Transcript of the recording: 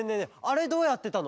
あれどうやってたの？